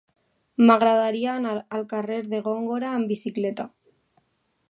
M'agradaria anar al carrer de Góngora amb bicicleta.